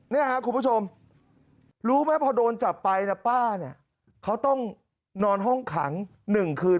นี่ครับคุณผู้ชมรู้ไหมพอโดนจับไปนะป้าเนี่ยเขาต้องนอนห้องขัง๑คืน